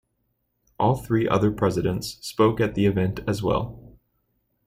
All three other presidents spoke at the event as well.